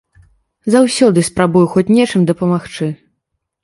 Заўсёды спрабую хоць нечым дапамагчы.